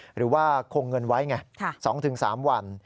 หรือว่าคงเงินไว้ไง๒๓วัน